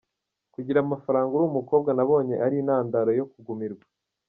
Kugira amafaranga uri umukobwa nabonye ari intandaro yo kugumirwa.